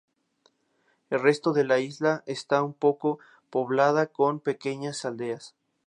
El resto de la isla está poco poblada con pequeñas aldeas.